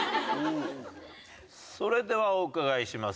それではお伺いします。